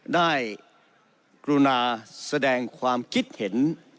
ได้กรุณาแสดงความคิดเห็น